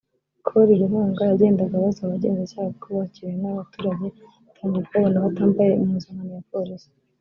Col Ruhunga yagendaga abaza abagenzacyaha uko bakiriwe n’abaturage batangiye kubabona batambaye impuzankano ya polisi